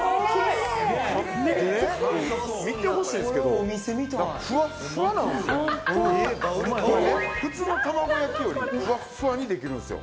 でね見てほしいんすけどふわっふわなんすよ普通の卵焼きよりふわっふわにできるんすよ